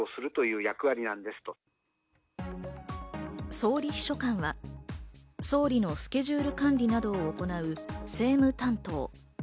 総理秘書官は、総理のスケジュール管理などを行う政務担当。